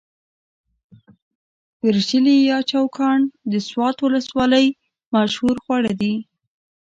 ورژلي يا چوکاڼ د سوات ولسوالۍ مشهور خواړه دي.